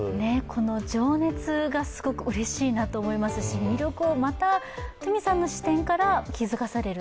この情熱がすごくうれしいなと思いますし、魅力をまたトゥミさんの視点から気付かされる。